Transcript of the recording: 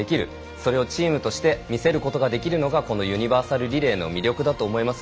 それをチームとして見せることができるのがこのユニバーサルリレーの魅力だと思います。